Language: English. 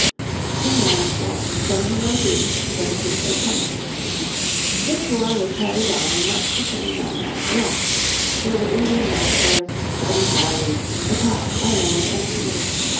Queen Anne's War, 1702 1713 This war was carried on in much the same manner as the last. There were Indian massacres, sudden sallies, attacks by land and sea.